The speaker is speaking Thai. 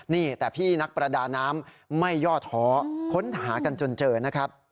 นี่แต่พี่นักประดาน้ำไม่ย่อท้อค้นหากันจนเจอนะครับ